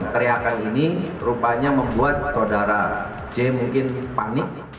teriakan ini rupanya membuat saudara j mungkin panik